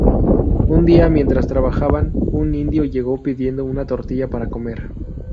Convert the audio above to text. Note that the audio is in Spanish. Un día, mientras trabajaban, un indio llegó pidiendo una tortilla para comer.